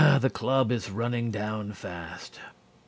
The club is running down fast.